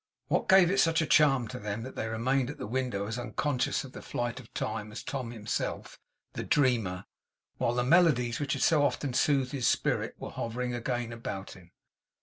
What gave it such a charm to them, that they remained at the window as unconscious of the flight of time as Tom himself, the dreamer, while the melodies which had so often soothed his spirit were hovering again about him!